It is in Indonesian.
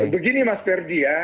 begini mas ferdi ya